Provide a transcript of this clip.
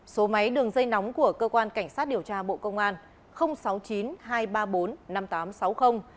số máy đường dây nóng của cơ quan cảnh sát điều tra bộ công an